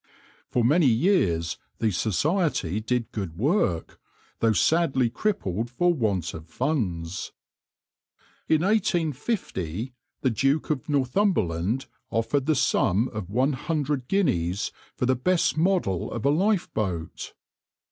\par For many years the Society did good work, though sadly crippled for want of funds. In 1850 the Duke of Northumberland offered the sum of one hundred guineas for the best model of a lifeboat.